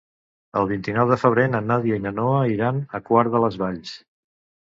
El vint-i-nou de febrer na Nàdia i na Noa iran a Quart de les Valls.